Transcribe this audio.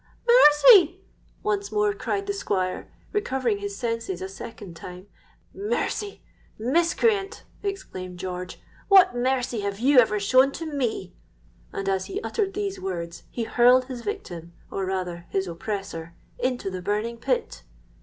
'Mercy!' once more cried the Squire, recovering his senses a second time.—'Mercy! miscreant,' exclaimed George; 'what mercy have you ever shown to me?' and, as he uttered these words, he hurled his victim, or rather his oppressor, into the burning pit!